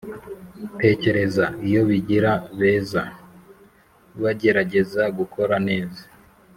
Tekereza iyo bigira beza! Bagerageza gukora neza.